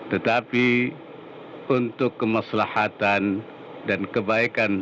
tetapi untuk kemaslahatan dan kebaikan